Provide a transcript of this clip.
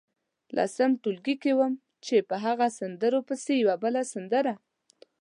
لسم ټولګي کې وم چې په هغو سندرو پسې یوه بله سندره.